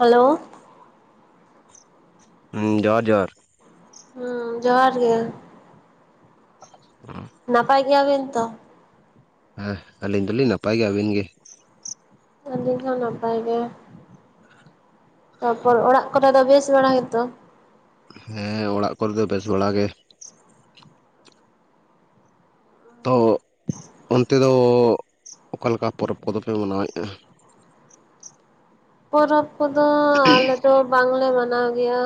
Hello. ᱦᱩᱸ, ᱡᱚᱨ ᱡᱚᱨᱼᱼ ᱦᱩᱸ, ᱡᱚᱸᱦᱟᱨ ᱜᱮ᱾ ᱩᱸᱼᱼ ᱱᱟᱯᱟᱭ ᱜᱮᱭᱟᱵᱮᱱ ᱛᱚ? ᱦᱮᱸ, ᱟᱹᱞᱤᱧ ᱫᱩᱞᱤᱧ ᱱᱟᱯᱟᱭ ᱜᱮᱭᱟ, ᱟᱹᱵᱤᱱ ᱜᱮᱼᱼ ᱟᱹᱞᱤᱧ ᱦᱚᱸ ᱱᱟᱯᱟᱭ ᱜᱮ᱾ ᱛᱟᱨᱯᱚᱨ, ᱚᱲᱟᱜ ᱠᱚᱨᱮ ᱫᱚ ᱵᱮᱥ ᱵᱟᱲᱟ ᱜᱮᱛᱚ? ᱦᱮᱸ, ᱚᱲᱟᱜ ᱠᱚᱨᱮᱜ ᱫᱚ ᱵᱮᱥ ᱵᱟᱲᱟ ᱜᱮ᱾ ᱛᱚ, ᱚᱱᱛᱮ ᱫᱚ, ᱚᱠᱟ ᱞᱮᱠᱟ ᱯᱚᱨᱚᱵ ᱠᱚᱫᱚ ᱯᱮ ᱢᱟᱱᱟᱣᱮᱫᱼᱟ? ᱯᱚᱨᱚᱵ ᱠᱚᱫᱚ, ᱟᱞᱮ ᱫᱚ, ᱵᱟᱝᱞᱮ ᱢᱟᱱᱟᱣ ᱜᱮᱭᱟ᱾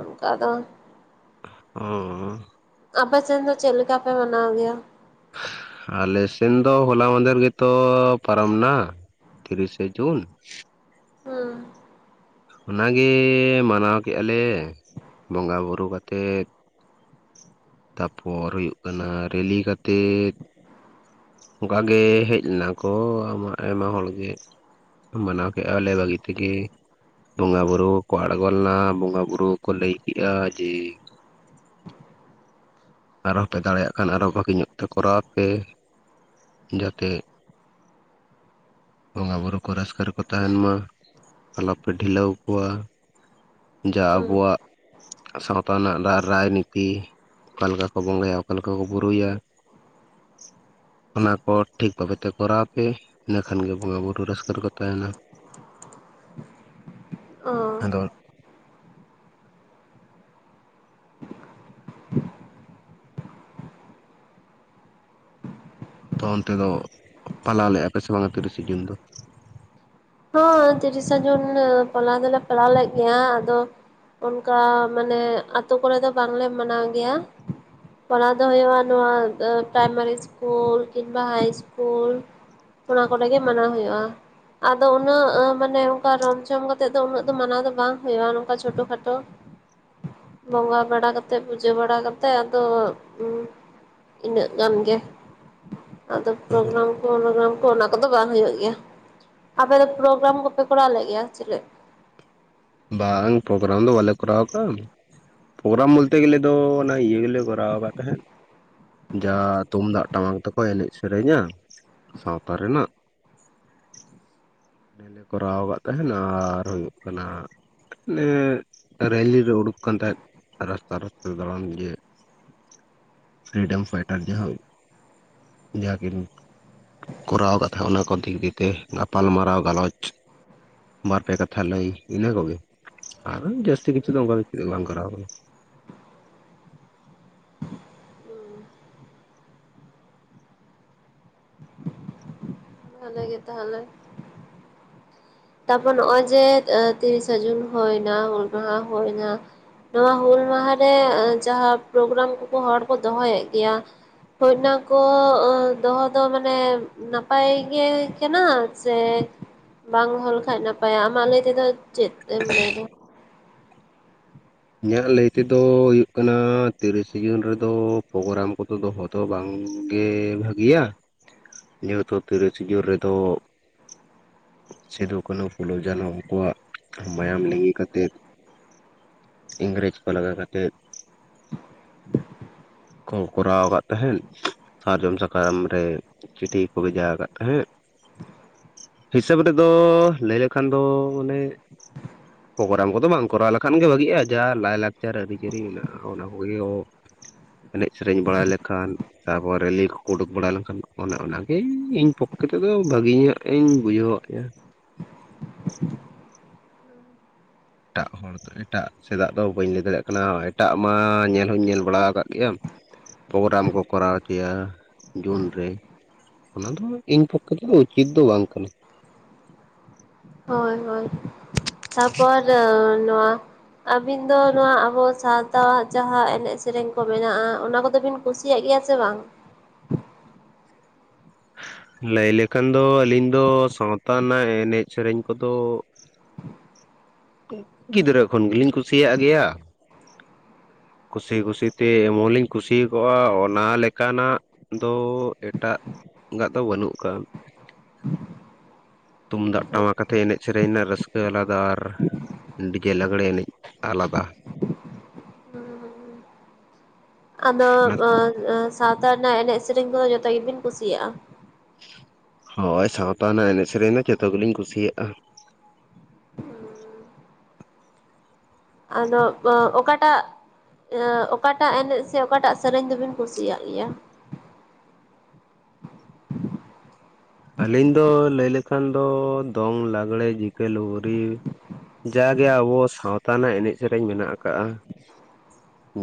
ᱚᱱᱠᱟ ᱫᱚᱼᱼ ᱚᱻ ᱟᱯᱮ ᱥᱮᱱ ᱫᱚ, ᱪᱮᱜ ᱞᱮᱠᱟ ᱯᱮ ᱢᱟᱱᱟᱣ ᱜᱮᱭᱟ? [inaudible] ᱟᱞᱮ ᱥᱮᱱ ᱫᱚ, ᱦᱚᱞᱟ ᱢᱟᱸᱫᱷᱮᱨ ᱜᱮᱛᱚ, ᱯᱟᱨᱚᱢ ᱱᱟ᱾ ᱛᱤᱨᱤᱥᱼᱮ ᱡᱩᱱ᱾ ᱦᱩᱸ ᱚᱱᱟᱜᱮ, ᱢᱟᱱᱟᱣ ᱠᱮᱜᱼᱟ ᱟᱞᱮ, ᱵᱚᱸᱜᱟ ᱵᱩᱨᱩ ᱠᱟᱛᱮᱜ᱾ ᱛᱟᱨᱯᱚᱨ, ᱦᱩᱭᱩᱜ ᱠᱟᱱᱟ, ᱨᱮᱞᱤ ᱠᱟᱛᱮᱫᱼᱼ [unintelligible] ᱜᱮ, ᱦᱮᱡ ᱞᱮᱱᱟ ᱠᱚ, ᱟᱢᱟ, ᱟᱭᱢᱟ ᱦᱚᱲ ᱜᱮ᱾ ᱢᱟᱱᱟᱣ ᱠᱮᱜᱼᱟ ᱞᱮ ᱵᱷᱟᱹᱜᱤ ᱛᱮᱜᱮ᱾ ᱵᱚᱸᱜᱟ ᱵᱩᱨᱩ ᱠᱚ, ᱟᱲᱜᱚ ᱞᱮᱱᱟ, ᱵᱚᱸᱜᱟ ᱵᱩᱨᱩ ᱠᱚ ᱞᱟᱹᱭ ᱠᱮᱜᱼᱟ ᱡᱮᱼᱼ ᱟᱨᱦᱚ ᱯᱮ ᱫᱟᱲᱮᱭᱟᱜ ᱠᱷᱟᱱ, ᱟᱨᱚ ᱵᱷᱟᱜᱮ ᱧᱚᱜ ᱛᱮ ᱠᱚᱨᱟᱣ ᱯᱮ, ᱡᱟᱛᱮᱼᱼ ᱵᱚᱸᱜᱟ ᱵᱩᱨᱩ ᱠᱚ, ᱨᱟᱹᱥᱠᱟᱹ ᱨᱮᱠᱚ ᱛᱟᱸᱦᱮᱱ ᱢᱟ, ᱟᱞᱚᱯᱮ ᱰᱷᱤᱞᱟᱹᱣ ᱠᱚᱣᱟ᱾ ᱡᱟ ᱦᱩᱸ ᱟᱵᱚᱣᱟᱜ, ᱥᱟᱸᱣᱛᱟ ᱨᱮᱱᱟᱜ ᱨᱟᱼᱨᱟᱭᱱᱤᱛᱤ᱾ ᱚᱠᱟ ᱞᱮᱠᱟ ᱠᱚ ᱵᱚᱸᱜᱟᱭᱟ, ᱚᱠᱟ ᱞᱮᱠᱟ ᱠᱚ ᱵᱩᱨᱩᱭᱟ᱾ [inaudible] ᱚᱱᱟ ᱠᱚ, ᱴᱷᱤᱠ ᱵᱷᱟᱵᱮᱛᱮ ᱠᱚᱨᱟᱣ ᱯᱮ, ᱤᱱᱟᱹ ᱠᱷᱟᱱᱜᱮ ᱵᱚᱸᱜᱟ ᱵᱩᱨᱩ ᱨᱟᱹᱥᱠᱟᱹ ᱨᱮᱠᱚ ᱛᱟᱸᱦᱮᱱᱟ᱾ [inaudible] ᱚ [unintelligible] ᱼᱼ ᱛᱚ ᱚᱱᱛᱮ ᱫᱚ, ᱯᱟᱞᱟᱣ ᱞᱮᱜᱼᱟ ᱯᱮ ᱥᱮ ᱵᱟᱝ [unintelligible] ᱥᱮᱫᱤᱱ ᱫᱚ? ᱦᱚᱸ, ᱛᱤᱨᱤᱥᱟ ᱡᱩᱱ, ᱩᱸ, ᱯᱟᱞᱟᱣ ᱫᱚᱞᱮ ᱯᱟᱞᱟᱣ ᱞᱮᱫ ᱜᱮᱭᱟ, ᱟᱫᱚᱼᱼ ᱚᱱᱠᱟ, ᱢᱟᱱᱮ, ᱟᱛᱳ ᱠᱚᱨᱮᱜ ᱫᱚ ᱵᱟᱝᱞᱮ ᱢᱟᱱᱟᱣ ᱜᱮᱭᱟ᱾ ᱯᱟᱲᱦᱟᱣ ᱫᱚ ᱦᱳᱭᱳᱜᱼᱟ, ᱱᱚᱣᱟ, ᱯᱨᱟᱭᱢᱟᱨᱤ ᱤᱥᱠᱩᱞ, ᱠᱤᱝᱵᱟ, ᱦᱟᱭ ᱤᱥᱠᱩᱞᱼᱼ ᱚᱱᱟ ᱠᱚᱨᱮᱜ ᱜᱮ ᱢᱟᱱᱟᱣ ᱦᱩᱭᱩᱜᱼᱟ᱾ ᱟᱫᱚ ᱩᱱᱟᱹᱜ, ᱟᱸ, ᱢᱟᱱᱮ, ᱚᱱᱠᱟ ᱨᱚᱢ ᱡᱷᱚᱢ ᱠᱟᱛᱮᱫ ᱫᱚ, ᱩᱱᱟᱹᱜ ᱫᱚ, ᱢᱟᱱᱟᱣ ᱫᱚ, ᱵᱟᱝ ᱦᱳᱭᱳᱜᱼᱟ, ᱱᱚᱝᱠᱟ ᱪᱷᱳᱴᱳ ᱼᱠᱷᱟᱴᱳᱼᱼ ᱵᱚᱸᱜᱟ ᱵᱟᱲᱟ ᱠᱟᱛᱮᱜ, ᱯᱩᱡᱟᱹ ᱵᱟᱲᱟ ᱠᱟᱛᱮᱜ, ᱟᱫᱚᱼᱼ ᱤᱱᱟᱹᱜ ᱜᱟᱱ ᱜᱮᱼᱼ ᱟᱫᱚ, ᱯᱨᱚᱜᱨᱟᱢ ᱠᱚ, [unintelligible] ᱠᱚ ᱚᱱᱟ ᱠᱚᱫᱚ ᱵᱟᱝ ᱦᱩᱭᱩᱜ ᱜᱮᱭᱟ᱾ ᱟᱯᱮ ᱫᱚ ᱯᱨᱚᱜᱨᱟᱢ ᱠᱚᱯᱮ ᱠᱚᱨᱟᱣ ᱞᱮᱫ ᱜᱮᱭᱟ, ᱪᱮᱞᱮᱜ ᱵᱟᱝ, ᱯᱨᱚᱵᱨᱟᱢ ᱫᱚ ᱵᱟᱞᱮ ᱠᱚᱨᱟᱣ ᱟᱠᱟᱜᱼᱟ᱾ ᱯᱨᱚᱜᱨᱟᱢ ᱵᱚᱞᱛᱮ ᱜᱮᱞᱮ ᱫᱚ, ᱚᱱᱟ ᱤᱭᱟᱹ ᱜᱮᱞᱮ, ᱠᱚᱨᱟᱣ ᱠᱟᱫ ᱛᱟᱦᱮᱜ᱾ ᱡᱟ, ᱛᱩᱢᱫᱟᱜ ᱴᱟᱢᱟᱠ ᱛᱮᱠᱚ, ᱮᱱᱮᱡ ᱥᱮᱨᱮᱧᱟ, ᱥᱟᱸᱣᱛᱟ ᱨᱮᱱᱟᱜ᱾ ᱠᱚᱨᱟᱣ ᱟᱠᱟᱫ ᱛᱟᱸᱦᱮᱱᱟ ᱟᱨ ᱦᱩᱭᱩᱜ ᱠᱟᱱᱟ [unintelligible] ᱨᱮᱞᱤ ᱨᱮ ᱩᱰᱩᱠ ᱟᱠᱟᱱ ᱛᱟᱸᱦᱮᱫ᱾ ᱨᱟᱥᱛᱟ ᱨᱟᱥᱛᱟ ᱫᱟᱬᱟᱱ ᱡᱮ ᱯᱷᱨᱤᱰᱚᱢ ᱯᱷᱟᱭᱴᱟᱨ ᱡᱟᱦᱟᱸᱼᱼ ᱡᱟᱸᱦᱟ ᱜᱮᱢ ᱠᱚᱨᱟᱣ ᱟᱠᱟᱫ ᱛᱟᱸᱦᱮ ᱚᱱᱟ ᱠᱚ ᱫᱤᱠ ᱫᱤᱭᱮ ᱜᱟᱯᱟᱞ ᱢᱟᱨᱟᱣ ᱜᱟᱞᱚᱪ, ᱵᱟᱨᱯᱮ ᱠᱟᱛᱷᱟ ᱞᱟᱹᱭ ᱤᱱᱟᱹ ᱠᱚ ᱜᱮ ᱟᱨ ᱡᱟᱹᱥᱛᱤ ᱠᱤᱪᱷᱩ ᱫᱚ ᱚᱱᱠᱟ ᱫᱚ ᱪᱮᱫ ᱵᱟᱝ ᱠᱚᱨᱟᱣ ᱟᱠᱟᱱᱟ᱾ ᱵᱷᱟᱞᱮ ᱜᱮ ᱛᱟᱦᱚᱞᱮ᱾ ᱛᱟᱨᱯᱚᱨ ᱱᱚᱜᱼᱚᱭ ᱡᱮ ᱛᱤᱨᱤᱥᱟ ᱡᱩᱱ ᱦᱩᱭᱱᱟ ᱦᱩᱞ ᱢᱟᱦᱟ ᱦᱩᱭᱱᱟ, ᱱᱚᱣᱟ ᱦᱩᱞ ᱢᱟᱦᱟ ᱨᱮ ᱡᱟᱦᱟᱸ ᱯᱨᱳᱜᱨᱟᱢ ᱠᱚᱠᱚ ᱦᱚᱲ ᱠᱚ ᱫᱚᱦᱚᱭ ᱮᱫ ᱜᱮᱭᱟ ᱦᱚᱭᱱᱟ ᱠᱚ ᱫᱚᱦᱚ ᱫᱚ ᱢᱟᱱᱮ ᱱᱟᱯᱟᱭ ᱱᱟᱯᱟᱭ ᱜᱮ ᱠᱟᱱᱟ ᱥᱮ ᱵᱟᱝ ᱦᱚ ᱞᱮᱠᱷᱟᱡ ᱱᱟᱯᱟᱭᱟ ᱟᱢᱟᱜ ᱞᱟᱹᱭ ᱛᱮ ᱫᱚ ᱪᱮᱫ ᱮᱢ ᱞᱟᱹᱭᱫᱟ ᱤᱧᱟᱹᱜ ᱞᱟᱹᱭ ᱛᱮᱫᱚ ᱦᱩᱭᱩᱜ ᱠᱟᱱᱟ ᱛᱤᱨᱤᱥᱮ ᱡᱩᱱ ᱨᱮᱫᱚ ᱯᱨᱳᱜᱨᱟᱢ ᱠᱚ ᱫᱚ ᱫᱚᱦᱚᱧ ᱛᱚ ᱵᱟᱝ ᱜᱮ ᱵᱷᱟᱹᱜᱤᱭᱟ ᱡᱮᱦᱩᱛᱚ ᱛᱤᱨᱤᱥᱤ ᱡᱚᱱ ᱨᱮ ᱫᱚᱼᱼ ᱥᱤᱫᱩ ᱠᱟᱱᱩ ᱯᱷᱩᱞᱩ ᱡᱟᱱᱚ ᱩᱱᱠᱩᱣᱟᱜ ᱢᱟᱭᱟᱢ ᱞᱤᱸᱜᱤ ᱠᱟᱛᱮᱫ ᱤᱝᱨᱮᱡᱽ ᱠᱚ ᱞᱟᱜᱟ ᱠᱟᱛᱮᱫᱼᱼ [inaudible] ᱠᱚ ᱠᱚᱨᱟᱣ ᱟᱠᱟᱫ ᱛᱟᱦᱮᱸᱫ ᱥᱟᱨᱡᱚᱢ ᱥᱟᱠᱟᱢ ᱨᱮᱼᱼ ᱪᱤᱴᱷᱤ ᱜᱮ ᱠᱚ ᱵᱷᱮᱡᱟ ᱟᱠᱟᱫ ᱛᱟᱦᱮᱸᱫ ᱦᱤᱥᱟᱹᱵ ᱨᱮ ᱫᱚ ᱞᱟᱹᱭ ᱞᱮᱠᱷᱟᱱ ᱫᱚ ᱟᱱᱮᱼᱼ ᱯᱨᱳᱜᱨᱟᱢ ᱠᱚᱫᱚ ᱵᱟᱝ ᱠᱚᱨᱟᱣ ᱞᱮᱠᱷᱟᱱ ᱜᱮ ᱵᱷᱟᱹᱜᱤᱜᱼᱟ ᱡᱟ ᱞᱟᱭ ᱞᱟᱠᱪᱟᱨ ᱟᱹᱨᱤᱪᱟᱹᱞᱤ ᱢᱮᱱᱟᱜᱼᱟ ᱚᱱᱟ ᱠᱚᱜᱮ [unintelligible] ᱮᱱᱮᱡ ᱥᱮᱨᱮᱧ ᱵᱟᱲᱟᱭ ᱞᱮᱠᱷᱟᱱ ᱛᱟᱯᱚᱨ ᱞᱤ ᱠᱚ ᱩᱰᱩᱠ ᱵᱟᱲᱟ ᱞᱮᱱ ᱠᱷᱟᱱ ᱚᱱᱮ ᱚᱱᱟ ᱜᱮ ᱤᱧ ᱯᱚᱠᱠᱮ ᱛᱮᱫᱚ ᱵᱷᱟᱹᱜᱤ ᱧᱚᱜ ᱤᱧ ᱵᱩᱡᱷᱟᱹᱣ [unintelligible] ᱮᱴᱟᱜ ᱦᱚᱲ ᱫᱚᱼᱼ ᱮᱴᱟᱜ ᱥᱮᱫᱟᱜ ᱫᱚ ᱵᱟᱹᱧ ᱞᱟᱹᱭ ᱫᱟᱲᱮᱭᱟᱜ ᱠᱟᱱᱟ ᱮᱴᱟᱜ ᱢᱟ ᱧᱮᱞ ᱦᱚᱧ ᱧᱮᱞ ᱵᱟᱲᱟ ᱟᱠᱟᱫ ᱜᱮᱭᱟ ᱯᱨᱳᱜᱨᱟᱢ ᱠᱚ ᱠᱚᱨᱟᱣ ᱦᱚᱪᱚᱭᱟ ᱡᱩᱱ ᱨᱮᱼᱼ ᱚᱱᱟ ᱫᱚ ᱤᱧ ᱯᱚᱠᱠᱷᱮ ᱛᱮᱫᱚ ᱩᱪᱤᱛ ᱫᱚ ᱵᱟᱝ ᱠᱟᱱᱟ ᱦᱳᱭ ᱦᱳᱭ ᱛᱟᱯᱚᱨ ᱱᱚᱣᱟᱼᱼ ᱟᱹᱵᱤᱱ ᱫᱚ ᱱᱚᱣᱟ ᱟᱵᱚ ᱥᱟᱶᱛᱟ ᱦᱟᱜ ᱡᱟᱦᱟᱸ ᱮᱱᱮᱡ ᱥᱮᱨᱮᱧ ᱠᱚ ᱢᱮᱱᱟᱜᱼᱟ ᱚᱱᱟ ᱠᱚ ᱫᱚ ᱵᱤᱱᱼᱼ ᱠᱩᱥᱤᱭᱟᱜ ᱜᱮᱭᱟ ᱥᱮ ᱵᱟᱝ ᱞᱟᱹᱭ ᱞᱮᱠᱷᱟᱱ ᱫᱚ ᱟᱹᱞᱤᱧ ᱫᱚ ᱥᱟᱶᱛᱟ ᱨᱮᱱᱟᱜ ᱮᱱᱮᱡ ᱥᱮᱨᱮᱧ ᱠᱚᱫᱚᱼᱼ ᱜᱤᱫᱽᱨᱟᱹ ᱠᱷᱚᱱ ᱜᱮᱞᱤᱧ ᱠᱩᱥᱤᱭᱟᱜ ᱜᱮᱭᱟ ᱠᱩᱥᱤ ᱠᱩᱥᱤ ᱛᱮ ᱮᱢᱚᱱᱤᱧ ᱠᱩᱥᱤᱠᱟᱜᱼᱟ ᱚᱱᱟ ᱞᱮᱠᱟᱱᱟᱜ ᱫᱚ ᱮᱴᱟᱜᱟᱜ ᱫᱚ ᱵᱟᱹᱱᱩᱜ ᱟᱠᱟᱫᱼᱟ ᱛᱩᱢᱫᱟᱜ ᱴᱟᱢᱟᱠ ᱟᱛᱮ ᱮᱱᱮᱡ ᱥᱮᱨᱮᱧ ᱨᱮᱱᱟᱜ ᱨᱟᱹᱥᱠᱟᱹ ᱟᱞᱟᱫᱟ ᱟᱨ ᱰᱤᱡᱮ ᱞᱟᱜᱽᱲᱮ ᱮᱱᱮᱡ ᱟᱞᱟᱫᱟ [unintelligible] ᱟᱫᱚ ᱚᱱᱟ ᱥᱟᱶᱛᱟ ᱨᱮᱱᱟᱜ ᱮᱱᱮᱡ ᱥᱮᱨᱮᱧ ᱠᱚᱫᱚ ᱡᱚᱛᱚ ᱜᱮᱵᱤᱱ ᱠᱩᱥᱤᱭᱟᱜᱼᱟ ᱦᱳᱭ ᱥᱟᱶᱛᱟ ᱨᱮᱱᱟᱜ ᱮᱱᱮᱡ ᱥᱮᱨᱮᱧ ᱫᱚ ᱡᱚᱛᱚ ᱜᱮᱞᱤᱧ ᱠᱩᱥᱤᱭᱟᱜᱼᱟ ᱟᱫᱚ ᱚᱠᱟᱴᱟᱜᱼᱼ [unintelligible] ᱚᱠᱟᱴᱟᱜ ᱮᱱᱮᱡ ᱥᱮ ᱚᱠᱟᱴᱟᱜ ᱥᱮᱨᱮᱧ ᱫᱚᱵᱤᱱ ᱠᱩᱥᱤᱭᱟᱜ ᱜᱮᱭᱟ ᱟᱹᱞᱤᱧ ᱫᱚ ᱞᱟᱹᱭ ᱞᱮᱠᱷᱟᱱ ᱫᱚ ᱫᱚᱝ ᱞᱟᱜᱽᱲᱮ ᱡᱤᱠᱟᱹ ᱞᱩᱜᱽᱲᱤ ᱡᱟᱠᱼᱼ ᱜᱮ ᱟᱵᱚ ᱥᱟᱶᱛᱟ ᱨᱮᱱᱟᱜ ᱮᱱᱮᱡ ᱥᱮᱨᱮᱧ ᱢᱮᱱᱟᱜ ᱟᱠᱟᱫᱟ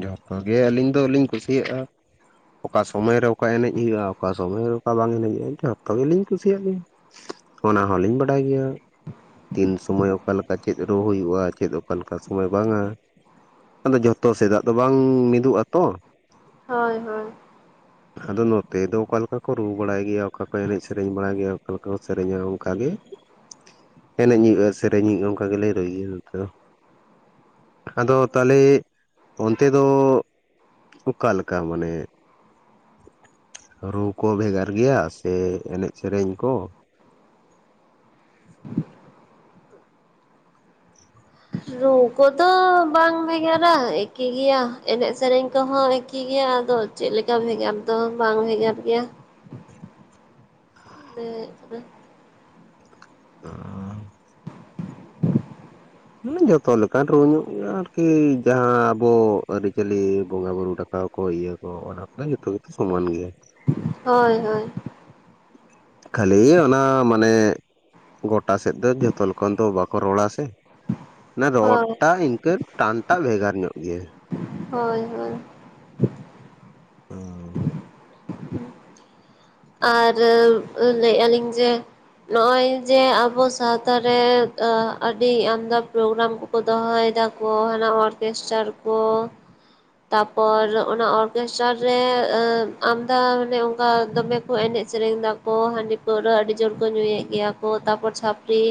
ᱡᱚᱛᱚ ᱜᱮ ᱟᱹᱞᱤᱧ ᱫᱚᱞᱤᱧ ᱠᱩᱥᱤᱭᱟᱜᱼᱟ ᱚᱠᱟ ᱥᱚᱢᱚᱭᱨᱮ ᱚᱠᱟ ᱮᱱᱮᱡ ᱦᱩᱭᱩᱜᱼᱟ ᱚᱠᱟ ᱥᱚᱢᱚᱭᱨᱮ ᱚᱠᱟ ᱵᱟᱝ ᱮᱱᱮᱡ [unintelligible] ᱛᱚᱵᱮᱞᱤᱧ ᱠᱩᱥᱤᱭᱟᱜ ᱜᱮᱭᱟ ᱚᱱᱟ ᱦᱚᱞᱤᱧ ᱵᱟᱰᱟᱭ ᱜᱮᱭᱟ᱾ ᱛᱤᱱ ᱥᱢᱚᱭ ᱚᱠᱟ ᱞᱮᱠᱟ ᱪᱮᱫ ᱨᱩ ᱦᱩᱭᱩᱜᱼᱟ ᱪᱮᱫ ᱚᱠᱟᱞᱮ ᱞᱮᱠᱟ ᱥᱚᱢᱚᱭ ᱵᱟᱝᱟ, ᱟᱫᱚ ᱡᱷᱚᱛᱚ ᱥᱮᱫᱟᱜ ᱫᱚ ᱵᱟᱝ ᱢᱤᱫᱚᱜ ᱟᱛᱚ, ᱦᱳᱭ ᱦᱳᱭ᱾ ᱟᱫᱚ ᱱᱚᱛᱮ ᱫᱚ ᱚᱠᱟ ᱞᱮᱠᱟ ᱠᱚ ᱨᱩ ᱵᱟᱲᱟᱭ ᱜᱮᱭᱟ ᱚᱠᱟ ᱠᱚ ᱮᱱᱮᱡ ᱥᱮᱨᱮᱧ ᱵᱟᱲᱟᱭ ᱜᱮᱭᱟ ᱚᱠᱟᱞᱮᱠᱟ ᱠᱚ ᱥᱮᱨᱮᱧ-ᱟ ᱚᱱᱠᱟᱜ ᱜᱮ᱾ ᱮᱱᱮᱡ ᱦᱩᱭᱩᱜᱼᱟ ᱥᱮᱨᱮᱧ ᱦᱩᱭᱩᱜᱼᱟ ᱚᱱᱠᱟ ᱜᱮᱞᱮ ᱨᱩᱭ ᱜᱮᱭᱟ ᱱᱚᱱᱛᱮ ᱦᱚ᱾ ᱟᱫᱚ ᱛᱟᱞᱮ ᱚᱱᱛᱮ ᱫᱚ ᱚᱠᱟᱞᱮᱠᱟ ᱢᱟᱱᱮ? ᱨᱩ ᱠᱚ ᱵᱷᱮᱜᱟᱨ ᱜᱮᱭᱟ ᱥᱮ ᱮᱱᱮᱡ ᱥᱮᱨᱮᱧ ᱠᱚ? ᱨᱩ ᱠᱚᱫᱚ ᱵᱟᱝ ᱵᱷᱮᱜᱟᱨᱟ ᱮᱠᱤ ᱜᱮᱭᱟ ᱮᱱᱮᱡ ᱥᱮᱨᱮᱧ ᱠᱚᱦᱚᱸ ᱮᱠᱤ ᱜᱮᱭᱟ ᱟᱫᱚ, ᱪᱮᱫ ᱞᱮᱠᱟ ᱵᱷᱮᱜᱟᱨ ᱫᱚ ᱵᱟᱝ ᱵᱷᱮᱜᱟᱨ ᱜᱮᱭᱟ᱾ [unintelligible] [unintelligible] [unintelligible] ᱡᱚᱛᱚ ᱞᱮᱠᱟᱱ ᱨᱩ ᱧᱚᱜ ᱜᱮᱭᱟ ᱟᱨᱠᱤ ᱡᱟᱦᱟᱸ ᱟᱵᱚ ᱟᱹᱨᱤ ᱪᱟᱹᱞᱤ ᱵᱚᱸᱜᱟ ᱵᱩᱨᱩ ᱰᱟᱠ᱾ ᱟᱣ ᱠᱚ ᱤᱭᱟᱹ ᱠᱚ ᱚᱱᱟ ᱠᱚᱜᱮ ᱡᱚᱛᱚ ᱜᱮᱛᱚ ᱥᱚᱢᱟᱱ ᱜᱮᱭᱟ᱾ ᱦᱳᱭ ᱦᱳᱭ᱾ ᱠᱷᱟᱹᱞᱤᱭ ᱚᱱᱟ ᱢᱟᱱᱮ, ᱜᱚᱴᱟ ᱥᱮᱫ ᱫᱚ ᱡᱚᱛᱚ ᱞᱚᱠᱷᱚᱱ ᱫᱚ ᱵᱟᱠᱚ ᱨᱚᱲᱟ ᱥᱮ ᱚᱱᱟ ᱦᱳᱭ ᱨᱚᱲᱴᱟ ᱤᱱᱠᱟᱹ ᱴᱟᱱᱴᱟᱜ ᱵᱷᱮᱜᱟᱨ ᱧᱚᱜ ᱜᱮᱭᱟ᱾ ᱦᱳᱭ ᱦᱳᱭ᱾ ᱟᱨ ᱞᱟᱹᱭᱮᱼᱟ ᱞᱤᱧ ᱡᱮ, ᱱᱚᱜᱼᱚᱭ ᱡᱮ ᱟᱵᱚ ᱥᱟᱶᱛᱟ ᱨᱮ ᱟᱜ ᱟᱹᱰᱤ ᱟᱢᱫᱟ ᱯᱨᱳᱜᱨᱟᱢ ᱠᱚ, ᱠᱚ ᱫᱚᱦᱚᱭᱮᱫᱟᱠᱚ ᱱᱟᱣᱟ ᱚᱨᱠᱮᱥᱴᱟᱨ ᱠᱚ, ᱛᱟᱯᱚᱨ ᱚᱱᱟ ᱚᱨᱠᱮᱥᱴᱟᱨ ᱨᱮ ᱟᱢᱫᱟ ᱢᱟᱱᱮ ᱚᱱᱠᱟ ᱫᱚᱢᱮ ᱠᱚ ᱮᱱᱮᱡ ᱥᱮᱨᱮᱧ ᱫᱟᱠᱚ ᱦᱟᱺᱰᱤ, ᱯᱟᱹᱣᱨᱟᱹ ᱟᱹᱰᱤ ᱡᱚᱨ ᱠᱚ ᱧᱩᱭᱮᱫ ᱜᱮᱭᱟ ᱠᱚ ᱛᱟᱨᱯᱚᱨ ᱪᱷᱟᱹᱯᱨᱤ,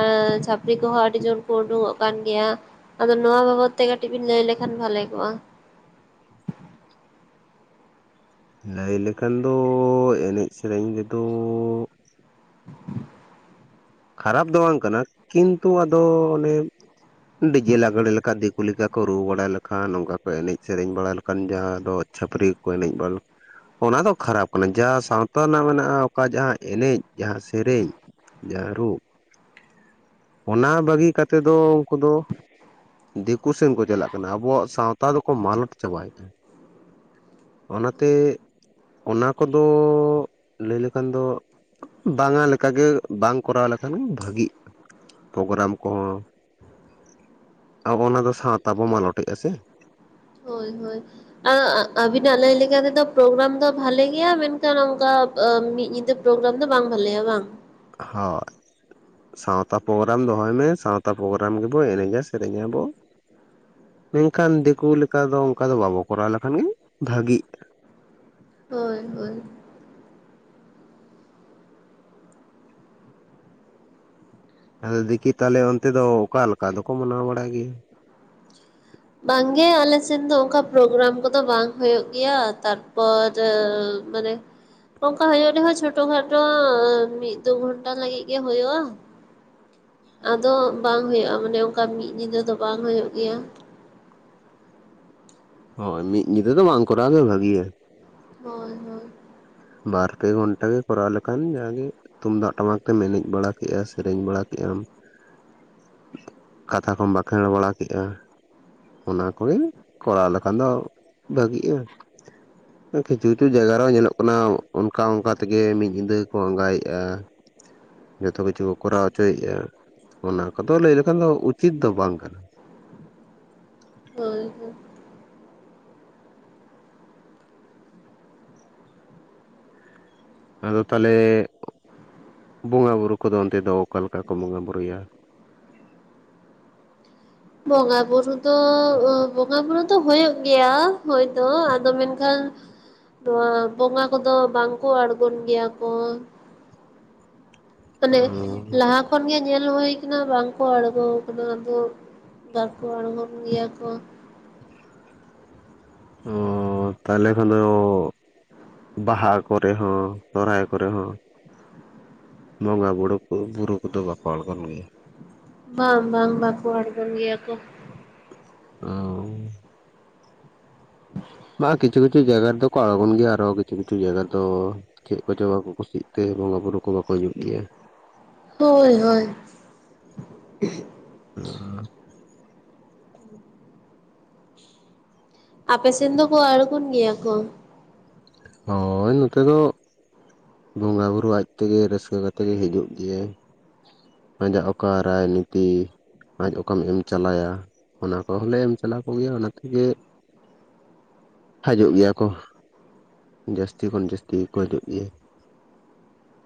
ᱟᱻ ᱪᱷᱟᱹᱯᱨᱤ ᱠᱚᱦᱚᱸ ᱟᱹᱰᱤ ᱡᱳᱨ ᱠᱚ ᱩᱰᱩᱜᱚᱜ ᱠᱟᱱ ᱜᱮᱭᱟ᱾ ᱟᱫᱚ ᱱᱚᱣᱟ ᱵᱟᱵᱚᱛ ᱛᱮ ᱠᱟᱹᱴᱤᱡ ᱵᱤᱱ ᱞᱟᱹᱭ ᱞᱮᱠᱷᱟᱱ ᱵᱷᱟᱞᱮ ᱠᱚᱜᱼᱟ᱾ ᱦᱮᱹᱭ ᱞᱮᱠᱷᱟᱱ ᱫᱚᱻ ᱮᱱᱮᱡ ᱥᱮᱨᱮᱧ ᱨᱮᱫᱚᱻ, ᱠᱷᱟᱨᱟᱵ ᱫᱚ ᱵᱟᱝ ᱠᱟᱱᱟ ᱠᱤᱱᱛᱩ ᱟᱫᱚ ᱚᱱᱮ, ᱰᱤᱡᱮ ᱞᱟᱜᱽᱲᱮ ᱞᱮᱠᱟ ᱫᱤᱠᱩ ᱞᱮᱠᱟ ᱠᱚ ᱨᱩ ᱵᱟᱲᱟ ᱞᱮᱠᱷᱟᱱ ᱱᱚᱝᱠᱟ ᱠᱚ ᱮᱱᱮᱡ ᱥᱮᱨᱮᱧ ᱵᱟᱲᱟ ᱞᱮᱠ ᱠᱟᱱ ᱡᱟᱦᱟᱸ ᱫᱚ ᱪᱷᱟᱹᱯᱨᱤ ᱠᱚᱠᱩ ᱮᱱᱮᱡ ᱵᱟᱹᱞ ᱚᱱᱟ ᱫᱚ ᱠᱷᱟᱨᱟᱯ ᱠᱟᱱᱟ ᱡᱟ ᱥᱟᱶᱛᱟ ᱨᱮᱱᱟᱜ ᱢᱮᱱᱟᱜᱼᱟ ᱚᱠᱟ ᱡᱟᱦᱟᱸ ᱮᱱᱮᱡ ᱡᱟᱦᱟᱸ ᱥᱮᱨᱮᱧ, ᱡᱟᱹᱨᱩᱵ, ᱚᱱᱟ ᱵᱟᱹᱜᱤ ᱠᱟᱛᱮ ᱫᱚ ᱩᱱᱠᱩ ᱫᱚ ᱫᱤᱠᱩ ᱥᱮᱱ ᱠᱚ ᱪᱟᱞᱟᱜ ᱠᱟᱱᱟ ᱟᱵᱚᱣᱟᱜ ᱥᱟᱶᱛᱟ ᱫᱚᱠᱚ ᱢᱟᱞᱚᱴ ᱪᱟᱵᱟᱭᱮᱫᱟ᱾ ᱚᱱᱟᱛᱮ ᱚᱱᱟ ᱠᱚᱫᱚᱻ ᱞᱟᱹᱭ ᱞᱮᱠᱷᱟᱱ ᱫᱚ, ᱵᱟᱝᱟ ᱞᱮᱠᱟᱜᱮ ᱵᱟᱝ ᱠᱚᱨᱟᱣ ᱞᱮᱠᱷᱟᱱ ᱵᱷᱟᱹᱜᱤᱜᱼᱟ᱾ ᱯᱚᱜᱨᱟᱢ ᱠᱚᱦᱚᱸ ᱟᱵᱚ ᱚᱱᱟ ᱫᱚ ᱥᱟᱶᱛᱟ ᱵᱚ ᱢᱟᱞᱚᱴᱮᱜᱼᱟ ᱥᱮ᱾ ᱦᱳᱭ ᱦᱳᱭ᱾ ᱟ ᱟᱜ ᱟᱵᱤᱱᱟᱜ ᱞᱟᱹᱭ ᱞᱮᱠᱟ ᱛᱮᱫᱚ ᱯᱨᱳᱜᱨᱟᱢ ᱫᱚ ᱵᱷᱟᱞᱮ ᱜᱮᱭᱟ ᱢᱮᱱᱠᱷᱟᱱ ᱚᱱᱠᱟ ᱟ ᱢᱤᱫ ᱧᱤᱫᱟᱹ ᱯᱨᱳᱜᱨᱟᱢ ᱫᱚ ᱵᱟᱝ ᱵᱷᱟᱞᱮᱭᱟ ᱵᱟᱝ? [unintelligible] ᱥᱟᱶᱛᱟ ᱯᱳᱜᱨᱟᱢ ᱫᱚᱦᱚᱭ ᱢᱮ ᱥᱟᱶᱛᱟ ᱯᱳᱜᱨᱟᱢ ᱨᱮᱜᱮᱵᱚ ᱮᱱᱮᱡ-ᱟ ᱥᱮᱨᱮᱧᱟᱵᱚ᱾ ᱢᱮᱱᱠᱷᱟᱱ ᱫᱤᱠᱩ ᱞᱮᱠᱟ ᱫᱚ ᱚᱱᱠᱟ ᱫᱚ ᱵᱟᱵᱚ ᱠᱚᱨᱟᱣ ᱞᱮᱠᱷᱟᱱᱜᱤ ᱵᱷᱟᱹᱜᱤᱜ᱾ ᱦᱳᱭ ᱦᱳᱭ ᱾ ᱟᱫᱚ ᱫᱤᱫᱤ ᱛᱟᱦᱞᱮ ᱚᱱᱛᱮ ᱫᱚ ᱚᱠᱟ ᱞᱮᱠᱟ ᱫᱚᱠᱚ ᱢᱟᱱᱟᱣ ᱵᱟᱲᱟᱭ ᱜᱤ? ᱵᱟᱝᱜᱮ ᱟᱞᱮ ᱥᱮᱱ ᱫᱚ ᱚᱱᱠᱟ ᱯᱨᱳᱜᱽᱨᱟᱢ ᱠᱚᱫᱚ ᱵᱟᱝ ᱦᱩᱭᱩᱜ ᱜᱮᱭᱟ ᱛᱟᱨᱯᱚᱨ ᱟᱸᱵᱻ ᱢᱟᱱᱮ ᱚᱱᱠᱟ ᱦᱩᱭᱩᱜ ᱨᱮᱦᱚᱸ ᱪᱷᱚᱴᱚ ᱠᱷᱟᱴᱚᱻ ᱢᱤᱫ ᱫᱩ ᱜᱷᱚᱱᱴᱟ ᱞᱟᱹᱜᱤᱫ ᱜᱮ ᱦᱩᱭᱩᱜᱼᱟ ᱾ ᱟᱫᱚ ᱵᱟᱝ ᱦᱩᱭᱩᱜᱼᱟ, ᱢᱟᱱᱮ ᱚᱱᱠᱟ ᱢᱤᱫ ᱧᱤᱫᱟᱹ ᱫᱚ ᱵᱟᱝ ᱦᱩᱭᱩᱜ ᱜᱮᱭᱟ᱾ ᱦᱳᱭ ᱢᱤᱫ ᱧᱤᱫᱟᱹ ᱫᱚ ᱵᱟᱝ ᱠᱚᱨᱟᱣ ᱜᱮ ᱵᱷᱟᱹᱜᱤᱭᱟ ᱾ ᱦᱳᱭ ᱦᱳᱭ᱾ ᱵᱟᱨ ᱯᱮ ᱜᱷᱚᱱᱴᱟ ᱜᱮ ᱠᱚᱨᱟᱣ ᱞᱮᱠᱷᱟᱱ ᱡᱟ ᱜᱮ ᱛᱩᱢᱫᱟᱜ ᱴᱟᱢᱟᱠ ᱛᱮᱢ ᱮᱱᱮᱡ ᱵᱟᱲᱟ ᱠᱮᱜᱼᱟ ᱥᱮᱨᱮᱧ ᱵᱟᱲᱟ ᱠᱮᱜ-ᱟᱢ ᱾ [inaudible] ᱠᱟᱛᱷᱟ ᱠᱚᱢ ᱵᱟᱸᱠᱷᱮᱬ ᱵᱟᱲᱟ ᱠᱮᱜᱼᱟ ᱾ ᱚᱱᱟ ᱠᱚᱜᱮ ᱠᱚᱨᱟᱣ ᱞᱮᱠᱷᱟᱱ ᱫᱚ ᱵᱷᱟᱹᱜᱤᱜᱼᱟ ᱾ ᱠᱤᱪᱷᱩ ᱠᱤᱪᱷᱩ ᱡᱟᱭᱜᱟ ᱨᱮᱦᱚᱸ ᱧᱮᱞᱚᱜ ᱠᱟᱱᱟ ᱚᱱᱠᱟ ᱚᱱᱠᱟ ᱛᱮᱜᱮ ᱢᱤᱫ ᱧᱤᱫᱟᱹ ᱠᱚ ᱟᱸᱜᱟᱭᱮᱜᱼᱟ ᱾ ᱡᱚᱛᱚ ᱠᱤᱪᱷᱩ ᱠᱚ ᱠᱚᱨᱟᱣ ᱦᱚᱪᱚᱭᱮᱫᱼᱟ᱾ ᱚᱱᱟ ᱠᱚᱫᱚ ᱞᱟᱹᱭ ᱞᱮᱠᱷᱟᱱ ᱫᱚ ᱩᱪᱤᱛ ᱫᱚ ᱵᱟᱝ ᱠᱟᱱᱟ ᱾ ᱦᱳᱭ ᱦᱳᱭ ᱾ ᱟᱫᱚ ᱛᱟᱦᱞᱮ [inaudible] ᱵᱚᱸᱜᱟ ᱵᱩᱨᱩ ᱠᱚᱫᱚ ᱚᱱᱛᱮ ᱫᱚ ᱚᱠᱟ ᱞᱮᱠᱟ ᱠᱚ ᱵᱚᱸᱜᱟ ᱵᱩᱨᱩᱭᱟ? ᱵᱚᱸᱜᱟᱼᱵᱩᱨᱩ ᱫᱚ ᱵᱚᱸᱜᱟᱼᱵᱩᱨᱩ ᱫᱚ ᱦᱳᱭᱳᱜ ᱜᱮᱭᱟ ᱦᱳᱭ ᱫᱳ ᱾ ᱟᱫᱚ ᱢᱮᱱᱠᱷᱟᱱ ᱱᱚᱣᱟ ᱵᱚᱸᱜᱟ ᱠᱚᱫᱚ ᱵᱟᱝ ᱠᱚ ᱟᱬᱜᱚᱱ ᱜᱮᱭᱟ ᱠᱚ ᱾ ᱢᱟᱱᱮ ᱞᱟᱦᱟ ᱠᱷᱚᱱ ᱜᱮ ᱧᱮᱞ ᱦᱳᱭ ᱟᱠᱟᱱᱟ ᱵᱟᱝᱠᱚ ᱟᱬᱜᱳ ᱟᱠᱟᱱᱟ ᱟᱫᱚ ᱵᱟᱝ ᱠᱚ ᱟᱬᱜᱳᱱ ᱜᱮᱭᱟ ᱠᱚ ᱾ ᱳᱻ ᱛᱟᱦᱚᱞᱮ ᱠᱷᱟᱱ ᱫᱚ ᱵᱟᱦᱟ ᱠᱚᱨᱮ ᱦᱚᱸ ᱥᱚᱨᱦᱟᱭ ᱠᱚᱨᱮ ᱦᱚᱸ ᱵᱚᱸᱜᱟ ᱵᱩᱲᱳ ᱠᱚ ᱵᱩᱨᱩ ᱠᱚᱫᱚ ᱵᱟᱠᱚ ᱟᱬᱜᱚᱱ ᱜᱮᱭᱟ ᱾ ᱵᱟᱝ ᱵᱟᱝ ᱵᱟᱠᱚ ᱟᱲᱜᱳᱱ ᱜᱮᱭᱟ ᱠᱚ ᱾ ᱚᱸᱻ [inaudible] ᱵᱟᱝ ᱠᱤᱪᱷᱩ ᱠᱤᱪᱷᱩ ᱡᱟᱭᱜᱟ ᱨᱮ ᱫᱚᱠᱚ ᱟᱬᱜᱳᱱ ᱜᱮᱭᱟ, ᱟᱨᱚ ᱠᱤᱪᱷᱩ ᱠᱤᱪᱷᱩ ᱡᱟᱭᱜᱟ ᱨᱮ ᱫᱚ ᱪᱮᱫ ᱠᱚᱪᱚᱝ ᱵᱟᱠᱚ ᱠᱩᱥᱤᱜ ᱛᱮ ᱵᱚᱸᱜᱟ ᱵᱩᱨᱩ ᱠᱚ ᱵᱟᱠᱚ ᱦᱤᱡᱩᱜ ᱜᱮᱭᱟ᱾ ᱦᱳᱭ ᱦᱳᱭ ᱾ [unintelligible] ᱟᱯᱮ ᱥᱮᱱ ᱫᱚᱠᱚ ᱟᱲᱜᱳᱱ ᱜᱮᱭᱟ ᱠᱚ? ᱦᱳᱭᱻ ᱱᱚᱛᱮ ᱫᱚ ᱵᱚᱸᱜᱟ ᱵᱩᱨᱩ ᱟᱡ ᱛᱮᱜᱮ ᱨᱟᱹᱥᱠᱟᱹ ᱠᱟᱛᱮᱜ ᱜᱮ ᱦᱤᱡᱩᱜ ᱜᱮᱭᱟᱭ ᱾ ᱟᱡᱟᱜ ᱚᱠᱟ ᱨᱟᱭ ᱱᱤᱛᱤ ᱟᱡ ᱚᱠᱟᱢ ᱮᱢ ᱪᱟᱞᱟᱭᱟ ᱾ ᱚᱱᱟ ᱠᱚᱦᱚᱸ ᱞᱮ ᱮᱢ ᱪᱟᱞ ᱟᱠᱚ ᱜᱮᱭᱟ ᱚᱱᱟ ᱛᱮᱜᱮ ᱦᱟᱡᱩᱜ ᱜᱮᱭᱟ ᱠᱚ [inaudible] ᱡᱟᱹᱥᱛᱤ ᱠᱷᱚᱱ ᱡᱟᱹᱥᱛᱤ ᱜᱮᱠᱚ ᱦᱤᱡᱩᱜ ᱜᱮᱭᱟ᱾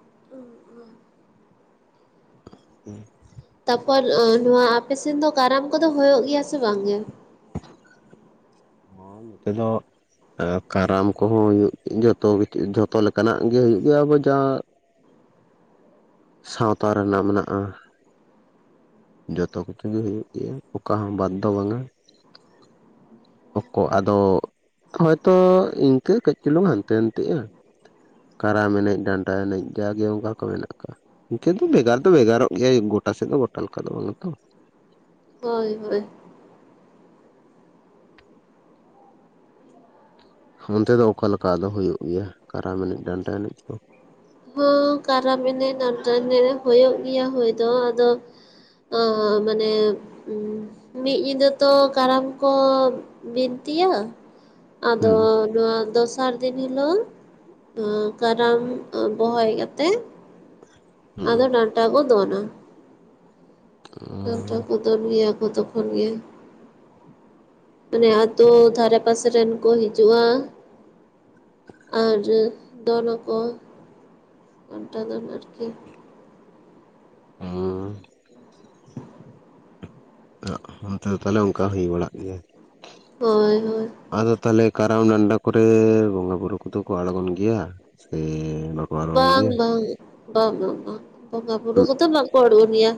[unintelligible] [unintelligible] ᱛᱟᱯᱚᱨ ᱱᱚᱣᱟ ᱟᱯᱮ ᱥᱮᱱ ᱫᱚ ᱠᱟᱨᱟᱢ ᱠᱚᱫᱚ ᱦᱳᱭᱳᱜ ᱜᱮᱭᱟ ᱥᱮ ᱵᱟᱝ ᱜᱮ? [inaudible] ᱦᱚᱸ ᱱᱚᱛᱮ ᱫᱚ ᱟᱸ ᱠᱟᱨᱟᱢ ᱠᱚᱦᱚᱸ ᱦᱳᱭᱳᱜ ᱡᱷᱚᱛᱚ ᱠᱤᱪᱷᱩ ᱡᱷᱚᱛᱚ ᱞᱮᱠᱟᱱᱟᱜ ᱜᱮ ᱦᱩᱭᱩᱜ ᱜᱮᱭᱟ ᱟᱵᱚ ᱡᱟ ᱥᱟᱶᱛᱟ ᱨᱮᱱᱟᱜ ᱢᱮᱱᱟᱜᱼᱟ ᱡᱚᱛᱚ ᱠᱚᱛᱮ ᱜᱮ ᱦᱩᱭᱳᱜ ᱜᱮᱭᱟ ᱚᱠᱟ ᱦᱚᱸ ᱵᱟᱫ ᱫᱚ ᱵᱟᱝᱼᱟ᱾ ᱚᱠ ᱟᱫᱚ ᱦᱚᱭᱛᱚ ᱤᱱᱠᱟᱹ ᱠᱟᱹᱡ ᱪᱩᱞᱩᱝ ᱦᱟᱱᱛᱮ ᱱᱟᱱᱛᱮᱜᱼᱟ᱾ ᱠᱟᱨᱟᱢ ᱮᱱᱮᱡ ᱰᱟᱱᱴᱟ ᱮᱱᱮᱡ ᱡᱟᱜᱮ ᱚᱱᱠᱟ ᱠᱚ ᱢᱮᱱᱟᱜ ᱤᱱᱠᱟᱹ ᱫᱚ ᱵᱷᱮᱜᱟᱨ ᱫᱚ ᱵᱷᱮᱜᱟᱨᱚᱜ ᱜᱮᱭᱟ ᱜᱚᱴᱟ ᱥᱮᱫ ᱫᱚ ᱜᱚᱴᱟ ᱞᱮᱠᱟ ᱫᱚ ᱵᱟᱝᱼᱟ ᱛᱚ᱾ ᱦᱳᱭ ᱦᱳᱭ ᱚᱱᱛᱮ ᱫᱚ ᱚᱠᱟ ᱞᱮᱠᱟ ᱟᱫᱚ ᱦᱳᱭᱳᱜ ᱜᱮᱭᱟ ᱠᱟᱨᱟᱢ ᱮᱱᱮᱡ ᱰᱟᱱᱴᱟ ᱮᱱᱮᱡ ᱠᱚ? ᱦᱳ ᱠᱟᱨᱟᱢ ᱮᱱᱮᱡ ᱰᱟᱱᱟᱴᱟ ᱮᱱᱮᱡ ᱦᱳᱭᱳᱜ ᱜᱮᱭᱟ ᱦᱳᱭ ᱫᱚ ᱟᱫᱚ᱾ ᱚ ᱢᱟᱱᱮ ᱩᱸ ᱢᱤᱫ ᱧᱤᱫᱟᱹ ᱛᱚ ᱠᱟᱨᱟᱢ ᱠᱚ ᱵᱤᱱᱛᱤᱭᱟ᱾ ᱟᱫᱚ ᱦᱩᱸ ᱱᱚᱣᱟ ᱫᱚᱥᱟᱨ ᱫᱤᱱ ᱦᱤᱞᱳᱜ᱾ ᱠᱟᱨᱟᱢ ᱵᱚᱦᱚᱭ ᱠᱟᱛᱮᱜ᱾ ᱟᱫᱚ ᱰᱟᱱᱴᱟ ᱠᱚ ᱫᱚᱱᱟ᱾ [unintelligible] ᱰᱟᱱᱴᱟ ᱠᱚ ᱫᱚᱱ ᱜᱮᱭᱟ ᱠᱚ ᱛᱚᱠᱷᱚᱱ ᱜᱮ᱾ ᱢᱟᱱᱮ ᱟᱛᱳ ᱫᱷᱟᱨᱮ ᱯᱟᱥᱮᱨᱮᱱ ᱠᱚ ᱦᱤᱡᱩᱜᱼᱟ᱾ ᱟᱨ ᱫᱚᱱ ᱟᱠ ᱠᱟᱱᱴᱟ ᱫᱚᱱ ᱟᱨᱠᱤ᱾ ᱦᱩᱸ ᱦᱮ ᱛᱚ ᱛᱟᱦᱞᱮ ᱚᱱᱠᱟ ᱦᱩᱭ ᱵᱟᱲᱟᱜ ᱜᱮᱭᱟ᱾ ᱦᱳᱭ ᱦᱳᱭ ᱟᱫᱚ ᱛᱟᱦᱞᱮ ᱠᱟᱨᱟᱢ ᱰᱟᱱᱰᱟ ᱠᱚᱨᱮ ᱵᱚᱸᱜᱟ ᱵᱩᱨᱩ ᱠᱚᱫᱚ ᱠᱚ ᱟᱲᱜᱚᱱ ᱜᱮᱭᱟ ᱥᱮ ᱟᱬᱜᱚᱱ ᱵᱟᱝ ᱜᱮᱭᱟ? ᱵᱟᱝ ᱵᱟᱝ ᱵᱟᱝ ᱵᱟᱝ ᱵᱚᱸᱜᱟ ᱵᱩᱨᱩ ᱠᱚᱫᱚ ᱵᱟᱠᱚ ᱟᱬᱜᱳᱱ ᱜᱮᱭᱟ᱾